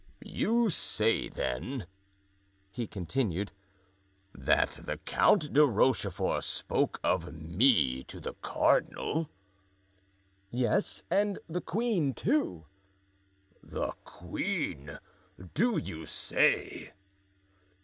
"You say, then," he continued, "that the Count de Rochefort spoke of me to the cardinal?" "Yes, and the queen, too." "The queen, do you say?"